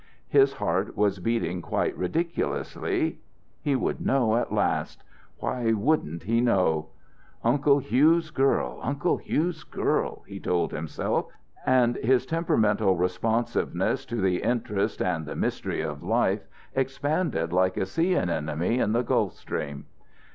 His heart was beating quite ridiculously. He would know at last What wouldn't he know? "Uncle Hugh's girl, Uncle Hugh's girl," he told himself, and his temperamental responsiveness to the interest and the mystery of life expanded like a sea anemone in the Gulf Stream.